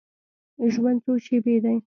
ژوند څو شیبې دی.